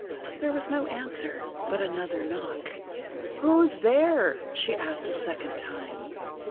There was no answer, but another knock. "Who's there?" she asked a second time.